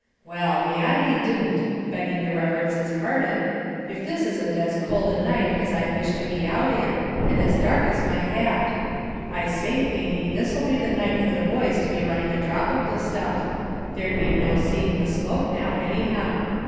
"Well, may I be d d begging your reverence's pardon if this isn't as cold a night as I'd wish to be out in, and as dark as my hat. I say, Thady, this'll be the night for the boys to be running a drop of the stuff; there'd be no seeing the smoke now, anyhow.